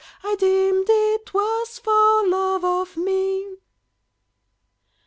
I deemed it was for love of me!